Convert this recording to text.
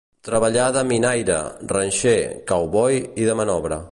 Treballà de minaire, ranxer, cowboy i de manobre.